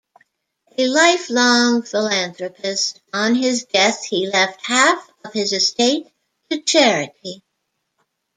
A lifelong philanthropist, on his death he left half of his estate to charity.